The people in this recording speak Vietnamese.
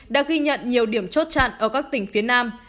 đã ghi nhận nhiều điểm chốt chặn ở các tỉnh phía nam